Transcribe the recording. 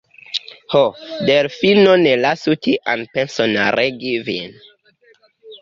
Ho, Delfino, ne lasu tian penson regi vin!